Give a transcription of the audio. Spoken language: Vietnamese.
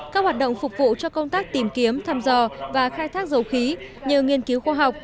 các hoạt động phục vụ cho công tác tìm kiếm thăm dò và khai thác dầu khí như nghiên cứu khoa học